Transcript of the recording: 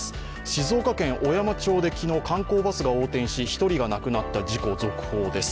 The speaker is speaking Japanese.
静岡県小山町で昨日観光バスが横転し１人が亡くなった事故、続報です。